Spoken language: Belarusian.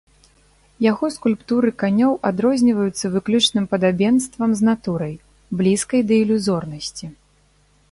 Яго скульптуры канёў адрозніваюцца выключным падабенствам з натурай, блізкай да ілюзорнасці.